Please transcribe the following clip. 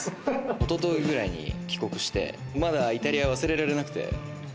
一昨日くらいに帰国して、まだイタリア忘れなくて。